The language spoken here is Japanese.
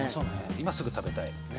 今すぐ食べたい。